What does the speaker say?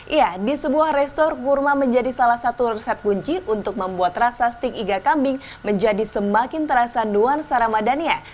iya di sebuah restor kurma menjadi salah satu resep kunci untuk membuat rasa stik iga kambing menjadi semakin terasa nuansa ramadannya